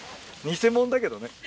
偽者だけどね。